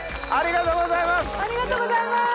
ありがとうございます！